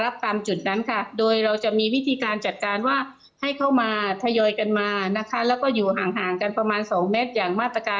บ่ายเที่ยงเย็น๕มน